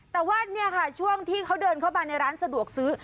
แต่ว่าเนี่ยค่ะช่วงที่เขาเดินเข้ามาในร้านสะดวกซื้อ